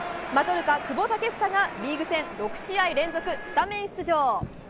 マジョルカ、久保建英がリーグ戦６試合連続スタメン出場。